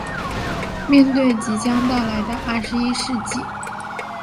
面对着即将到来的二十一世纪